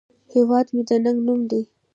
هیواد مې د ننگ نوم دی